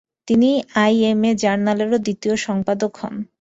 তিনি আই.এম.এ জার্নালেরও দ্বিতীয় সম্পাদক হন।